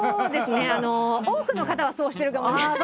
多くの方はそうしてるかもしれない。